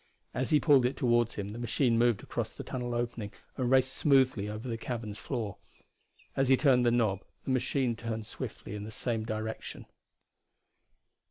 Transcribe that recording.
As he pulled it toward him the machine moved across the tunnel opening and raced smoothly over the cavern's floor. As he turned the knob the machine turned swiftly in the same direction.